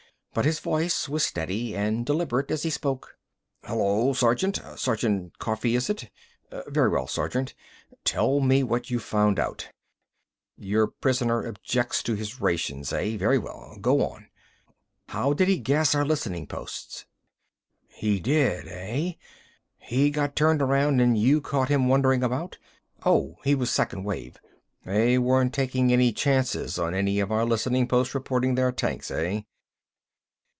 But his voice, was steady and deliberate as he spoke. "Hello, Sergeant—Sergeant Coffee, is it?... Very well, Sergeant. Tell me what you've found out.... Your prisoner objects to his rations, eh? Very well, go on.... How did he gas our listening posts?... He did, eh? He got turned around and you caught him wandering about?... Oh, he was second wave! They weren't taking any chances on any of our listening posts reporting their tanks, eh?...